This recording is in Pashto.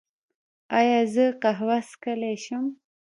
ایا زه قهوه څښلی شم؟